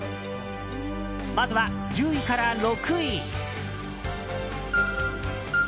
まずは１０位から６位。